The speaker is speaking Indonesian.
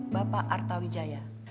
bapak arta wijaya